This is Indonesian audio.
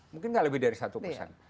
mungkin nggak lebih dari satu persen